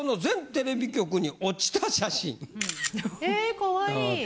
・えかわいい